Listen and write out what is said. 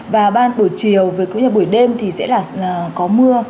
và ban buổi chiều với cuối cùng là buổi đêm thì sẽ là có mưa